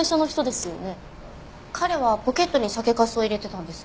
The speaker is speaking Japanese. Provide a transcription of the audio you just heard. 彼はポケットに酒粕を入れてたんです。